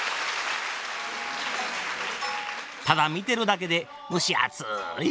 ただ見てるだけで蒸し暑い